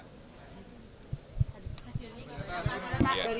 progres atau enggak